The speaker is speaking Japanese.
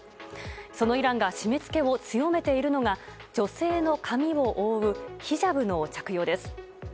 そのイランが締め付けを強めているのが女性の髪を覆うヒジャブの着用です。